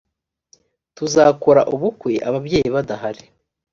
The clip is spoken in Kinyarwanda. tuzakora ubukwe ababyeyi badahari